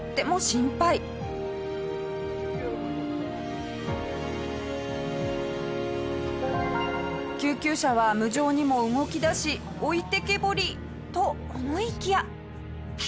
下平：救急車は無情にも動きだし置いてけぼりと思いきや。